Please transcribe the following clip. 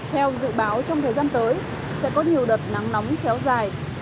theo dự báo trong thời gian tới sẽ có nhiều đợt nắng nóng kéo dài